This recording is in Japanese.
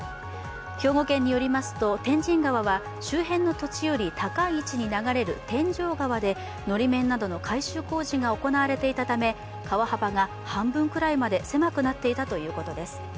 兵庫県によりますと、天神川は周辺の土地より高い位置に流れる天井川で、のり面などの改修工事が行われていたため川幅が半分くらいまで狭くなっていたということです。